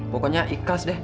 pokoknya ikhlas deh